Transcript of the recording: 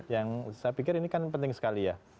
yang saya pikir ini kan penting sekali ya